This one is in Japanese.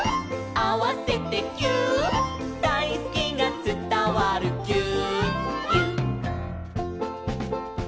「あわせてぎゅーっ」「だいすきがつたわるぎゅーっぎゅっ」